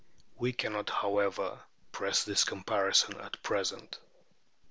We cannot, however, press this comparison at present.